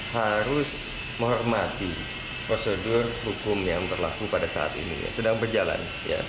harus menghormati prosedur hukum yang berlaku pada saat ini sedang berjalan